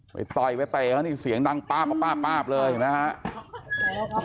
ไปต่อยไปแต่เข้านี่เสียงดังป๊าบป๊าบป๊าบเลยนะฮะ